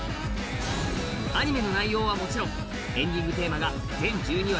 アニメの内容はもちろん、エンディングテーマが全１２話、